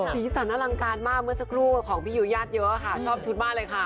สีสันอลังการมากเมื่อสักครู่ของพี่ยุญาติเยอะค่ะชอบชุดมากเลยค่ะ